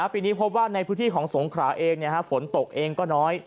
ปีนี้พบว่าในพื้นที่ของสงขราเองฝนตกเองก็น้อย